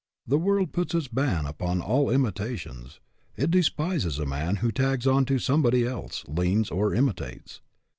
The world puts its ban upon all imitations. It despises a man who tags on to somebody else, leans or imitates.